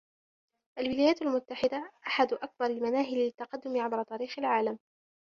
الولايات المتحدة أحد أكبر المناهل للتقدم عبر تاريخ العالم.